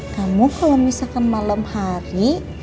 kamu kalau misalkan malam hari